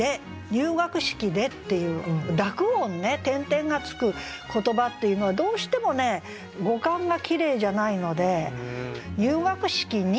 「入学式で」っていう濁音ね点々がつく言葉っていうのはどうしても語感がきれいじゃないので「入学式に」。